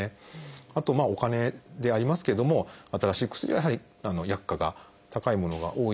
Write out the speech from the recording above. あとお金でありますけれども新しい薬はやはり薬価が高いものが多いです。